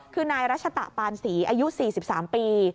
คือนายรัชตะปานศรีอายุ๔๓ปี